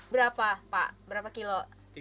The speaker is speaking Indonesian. berapa pak berapa kilo